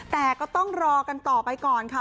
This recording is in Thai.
แต่ก็ต้องรอกันต่อไปก่อนค่ะ